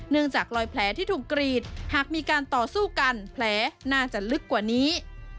จากรอยแผลที่ถูกกรีดหากมีการต่อสู้กันแผลน่าจะลึกกว่านี้